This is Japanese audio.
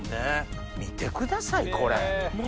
見てくださいこれ。